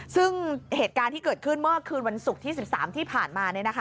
ซึ่งเหตุการณ์ที่เกิดขึ้นเมื่อคืนวันศุกร์ที่๑๓ที่ผ่านมา